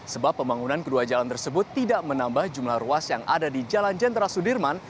sebab pembangunan kedua jalan tersebut tidak menambah jumlah ruas yang ada di jalan jenderal sudirman